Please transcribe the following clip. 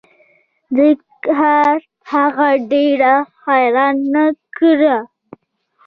دې کار هغه ډیره حیرانه نه کړه